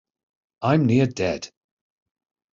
I'm near dead.